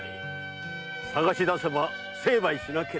捜し出せば成敗しなければならない。